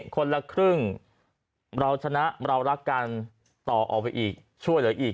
คนละครึ่งเราชนะเรารักกันต่อออกไปอีกช่วยเหลืออีก